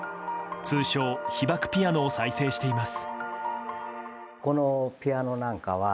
通称被爆ピアノを再生しています。